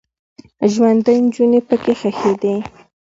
ژوندۍ نجونې پکې ښخیدې.